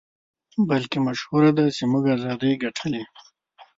بلکې مشهوره ده چې موږ ازادۍ ګټلې دي.